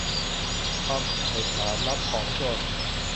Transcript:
ความผิดฐานรับของโจร